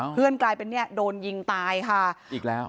กลายเป็นเนี่ยโดนยิงตายค่ะอีกแล้ว